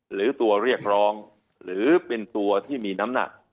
หรือตัวเรียกร้องหรือเป็นตัวที่มีน้ำหนัก